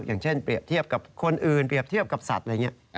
อย่างเช่นเปรียบเทียบกับคนอื่นเปรียบเทียบกับสัตว์อะไรอย่างนี้